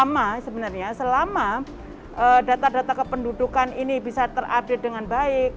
pertama sebenarnya selama data data kependudukan ini bisa terupdate dengan baik